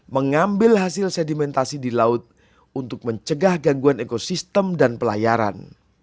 mengambil hasil sedimentasi di laut untuk mencegah gangguan ekosistem dan pelayaran